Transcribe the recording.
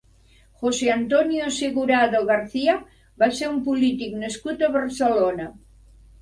José Antonio Segurado García va ser un polític nascut a Barcelona.